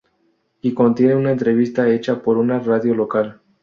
Y contiene una entrevista hecha por una radio local.